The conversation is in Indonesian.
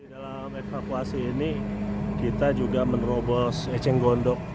di dalam evakuasi ini kita juga menerobos eceng gondok